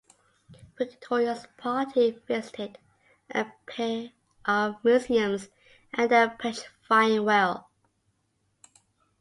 Victoria's party visited a pair of museums and a petrifying well.